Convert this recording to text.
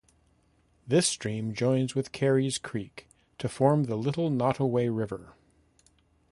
This stream joins with Carys Creek to form the Little Nottoway River.